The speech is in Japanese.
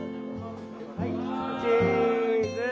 はいチーズ！